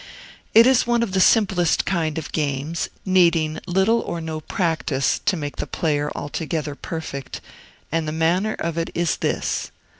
It is one of the simplest kinds of games, needing little or no practice to make the player altogether perfect; and the manner of it is this.